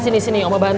sini sini om baik